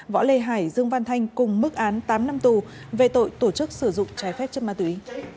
võ lê hải dương văn thanh cùng mức án tám năm tù về tội tổ chức sử dụng trái phép chất ma túy